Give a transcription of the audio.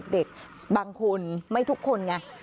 เด็กบางคนไม่ทุกคนไง